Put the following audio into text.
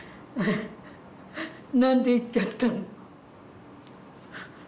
何で逝っちゃったの。